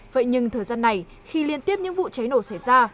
vậy nhưng thời gian này khi liên tiếp những vụ cháy nổ xảy ra